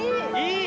いい！